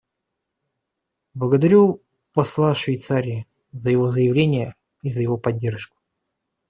Благодарю посла Швейцарии за его заявление и за его поддержку.